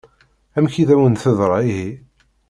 Amek i d-awen-teḍṛa ihi?